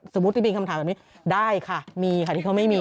สมมุติที่มีคำถามแบบนี้ได้ค่ะมีค่ะที่เขาไม่มี